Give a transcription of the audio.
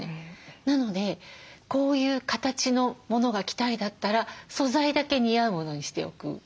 なのでこういう形のものが着たいだったら素材だけ似合うものにしておく。